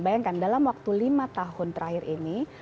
bayangkan dalam waktu lima tahun terakhir ini